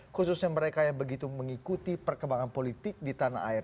khususnya mereka yang begitu mengikuti perkembangan politik di tanah air